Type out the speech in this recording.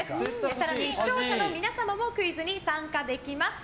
更に、視聴者の皆様もクイズに参加いただけます。